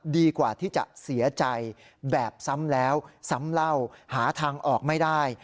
ดีกว่าที่จะเสียใจแบบซ้ำแล้วซ้ำเล่าหาทางออกไม่ได้